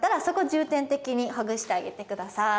重点的にほぐしてあげてください